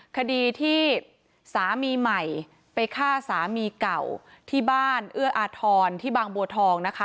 คดีที่สามีใหม่ไปฆ่าสามีเก่าที่บ้านเอื้ออาทรที่บางบัวทองนะคะ